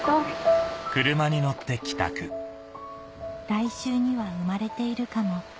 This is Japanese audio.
「来週には産まれているかも」